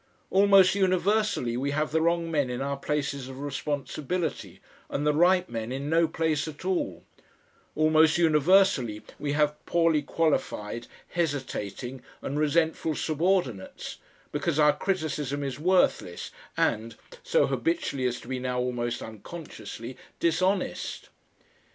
Almost universally we have the wrong men in our places of responsibility and the right men in no place at all, almost universally we have poorly qualified, hesitating, and resentful subordinates, because our criticism is worthless and, so habitually as to be now almost unconsciously, dishonest.